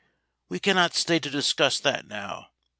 "We cannot stay to discuss that now!